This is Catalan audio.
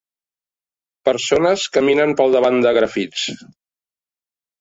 Persones caminen pel davant de grafits.